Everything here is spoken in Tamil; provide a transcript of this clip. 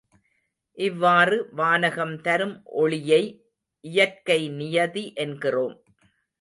இவ்வாறு, வானகம் தரும் ஒளியை இயற்கை நியதி என்கிறோம்.